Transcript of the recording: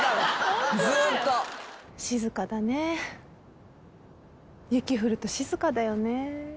「静かだね雪降ると静かだよね」